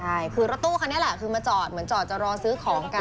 ใช่คือรถตู้คันนี้แหละคือมาจอดเหมือนจอดจะรอซื้อของกัน